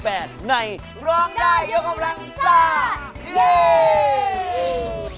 ในร้องได้ยกกำลังซา